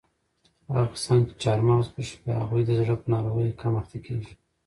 هغه کسان چې چهارمغز خوښوي هغوی د زړه په ناروغیو کم اخته کیږي.